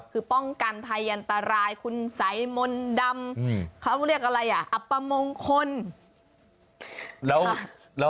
คือป้องกันภัยอันตรายคุณสัยมนต์ดำเขาเรียกอะไรอ่ะอับประมงคล